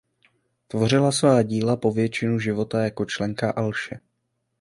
Tvořila svá díla po většinu života jako členka Alše.